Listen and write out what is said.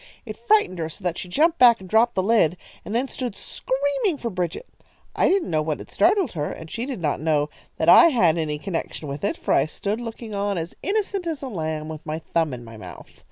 It frightened her so that she jumped back and dropped the lid, and then stood screaming for Bridget. I didn't know what had startled her, and she did not know that I had any connection with it, for I stood looking on as innocent as a lamb, with my thumb in my mouth.